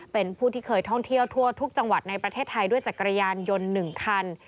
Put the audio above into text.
เป็นผู้ที่เคยท่องเที่ยวทั่วทุกจังหวัดในประเทศไทยด้วยจักรยานยนต์๑คัน